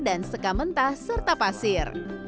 dan seka mentah serta pasir